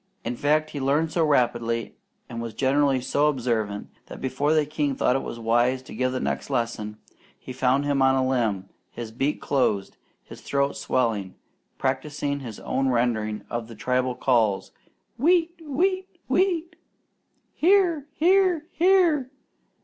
In fact, he learned so rapidly and was generally so observant, that before the king thought it wise to give the next lesson, he found him on a limb, his beak closed, his throat swelling, practising his own rendering of the tribal calls, "Wheat! Wheat! Wheat!" "Here! Here! Here!"